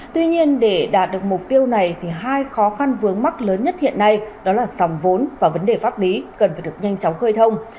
tuy nhiên để đạt được mục tiêu này thì hai khó khăn vướng mắt lớn nhất hiện nay đó là sòng vốn và vấn đề pháp lý cần phải được nhanh chóng khơi thông